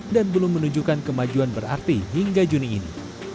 dan belum menunjukkan kemajuan berarti hingga juni ini